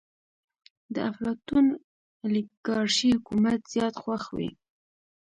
د افلاطون اليګارشي حکومت زيات خوښ وي.